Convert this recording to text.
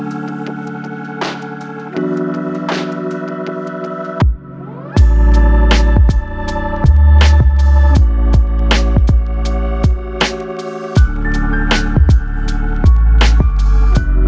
aku mau ke kamar renan dulu sebentar